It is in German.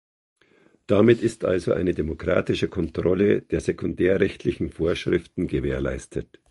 Damit ist also eine demokratische Kontrolle der sekundärrechtlichen Vorschriften gewährleistet.